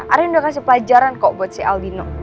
arin udah kasih pelajaran kok buat si albino